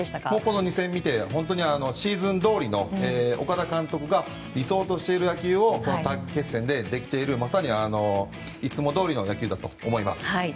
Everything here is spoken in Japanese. この２戦を見て本当にシーズンどおりの岡田監督が理想としている野球を短期決戦でできているいつもどおりの野球だと思います。